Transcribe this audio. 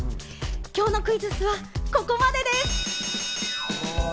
今日のクイズッスはここまでです。